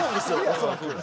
恐らく。